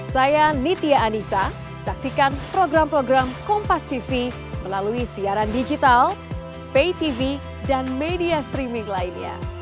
saya nitya anissa saksikan program program kompastv melalui siaran digital paytv dan media streaming lainnya